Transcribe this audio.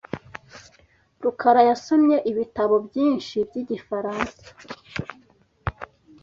rukara yasomye ibitabo byinshi byigifaransa .